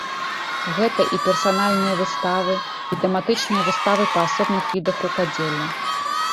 Гэта і персанальныя выставы, і тэматычныя выставы па асобных відах рукадзелля.